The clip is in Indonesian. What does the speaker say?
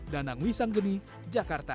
danang wisang geni jakarta